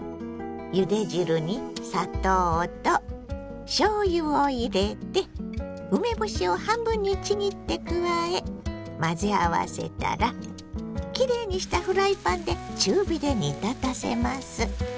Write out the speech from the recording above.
ゆで汁に砂糖としょうゆを入れて梅干しを半分にちぎって加え混ぜ合わせたらきれいにしたフライパンで中火で煮立たせます。